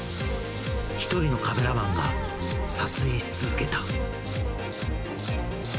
一人のカメラマンが撮影し続けた。